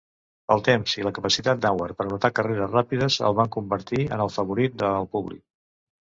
El temps i la capacitat d'Anwar per anotar carreres ràpides el van convertir en el favorit de el públic.